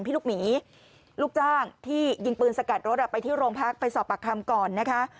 ลูกหมีลูกจ้างที่ยิงปืนสกัดรถไปที่โรงพักไปสอบปากคำก่อนนะคะ